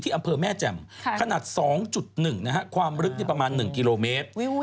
อำเภอแม่แจ่มขนาด๒๑ความลึกประมาณ๑กิโลเมตร